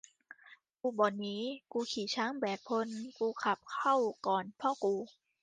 กูบ่หนี กูขี่ช้างแบกพล กูขับเข้าก่อนพ่อกู